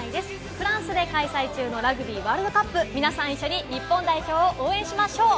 フランスで開催中のラグビーワールドカップ、皆さん一緒に日本代表を応援しましょう。